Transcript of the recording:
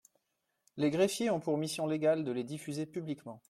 Les greffiers ont pour mission légale de les diffuser publiquement.